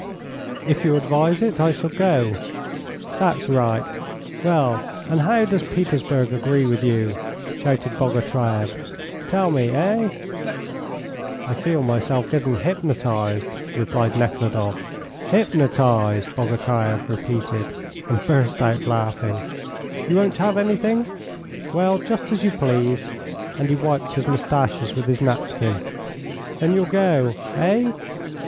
"If you advise it I shall go." "That's right. Well, and how does Petersburg agree with you?" shouted Bogatyreff. "Tell me. Eh?" "I feel myself getting hypnotised," replied Nekhludoff. "Hypnotised!" Bogatyreff repeated, and burst out laughing. "You won't have anything? Well, just as you please," and he wiped his moustaches with his napkin. "Then you'll go? Eh?